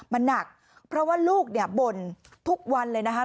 มันหนักเพราะว่าลูกเนี่ยบ่นทุกวันเลยนะคะ